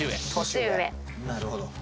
なるほど。